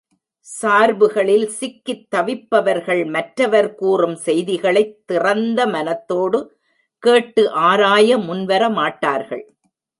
சார்புகளில் சிக்கித் தவிப்பவர்கள் மற்றவர் கூறும் செய்திகளைத் திறந்த மனத்தோடு கேட்டு ஆராய முன்வர மாட்டார்கள்.